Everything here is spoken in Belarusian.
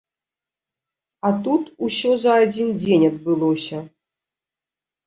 А тут усё за адзін дзень адбылося.